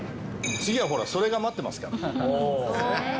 次はほら、ソレが待ってますから。